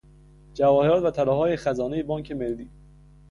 جواهرات و طلاهای خزانهی بانک ملی